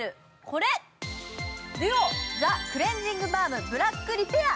これ、ＤＵＯザ・クレンジングバームブラックリペア。